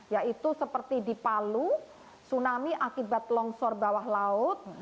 yaitu seperti di palu tsunami akibat longsor bawah laut